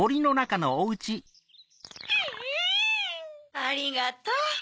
ありがとう。